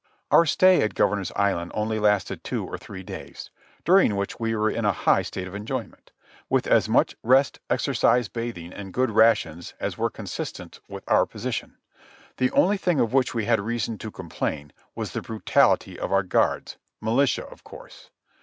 Our stay at Governor's Island only lasted two or three days, during which we were in a high state of enjoyment; with as much rest, exercise, bathing and good rations as were consistent with our position. The only thing of which we had reason to complain was the brutality of our guards, militia of course.